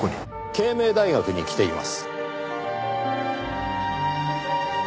慶明大学に来ています。